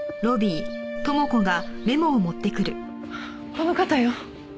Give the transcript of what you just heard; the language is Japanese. この方よ。